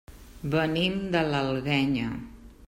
Venim de l'Alguenya.